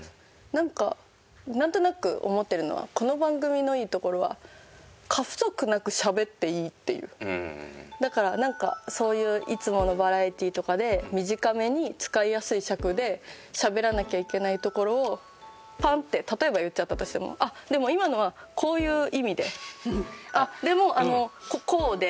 なんかなんとなく思ってるのはこの番組のいいところはだからなんかそういういつものバラエティーとかで短めに使いやすい尺でしゃべらなきゃいけないところをパンッて例えば言っちゃったとしてもでも今のはこういう意味であっでもこうで。